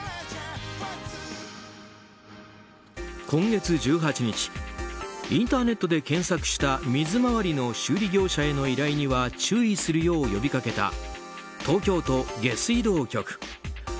今月１８日、インターネットで検索した水回りの修理業者への依頼は注意するよう呼びかけた東京都下水道局。